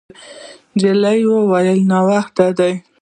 نجلۍ وویل: «ناوخته دی.»